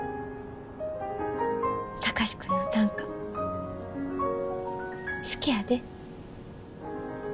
貴司君の短歌好きやで。